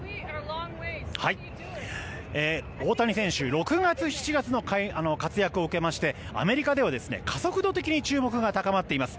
大谷選手６月、７月の活躍を受けましてアメリカでは加速度的に注目が高まっています。